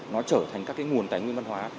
nó trở thành các cái nguồn tài nguyên văn hóa